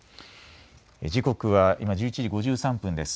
時刻は今１１時５３分です。